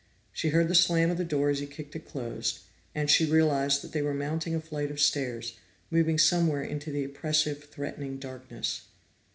She heard the slam of the door as he kicked it closed, and she realized that they were mounting a flight of stairs, moving somewhere into the oppressive threatening darkness.